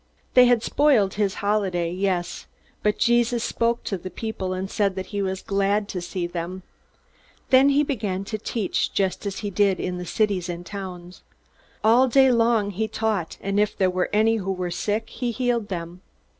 _ They had spoiled his holiday, but Jesus spoke to the people and said that he was glad to see them. Then he began to teach, just as he did in the cities and towns. All day long he taught, and if there were any who were sick, he healed them.